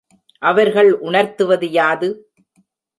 அவர்கள் உணர்த்துவது யாது?